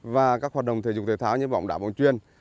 và các hoạt động thể dục thể tháo như bóng đá bóng chuyên